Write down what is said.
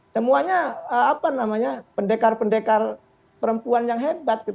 semuanya pendekar pendekar perempuan yang hebat